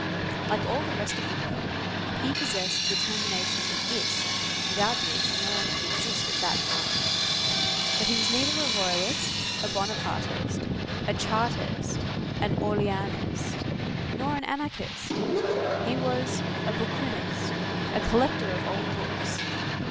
Like all the rest of the world, he possessed the termination in ist, without which no one could exist at that time, but he was neither a Royalist, a Bonapartist, a Chartist, an Orleanist, nor an Anarchist; he was a bouquinist, a collector of old books.